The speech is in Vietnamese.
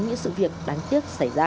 những sự việc đáng tiếc xảy ra